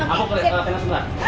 aku ke penas nanti